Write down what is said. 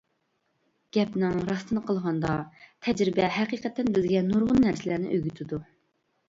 گەپنىڭ راستىنى قىلغاندا، تەجرىبە ھەقىقەتەن بىزگە نۇرغۇن نەرسىلەرنى ئۆگىتىدۇ.